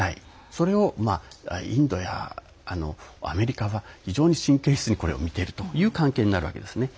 それをインドやアメリカが非常に神経質にこれを見ているという関係になるわけですね。